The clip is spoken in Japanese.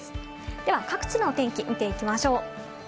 では各地のお天気を見ていきましょう。